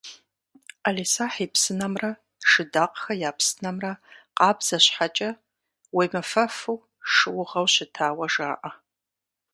«ӏэлисахь и псынэмрэ» «Шыдакъхэ я псынэмрэ» къабзэ щхьэкӏэ, уемыфэфу шыугъэу щытауэ жаӏэ.